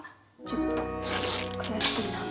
ちょっと悔しいなって。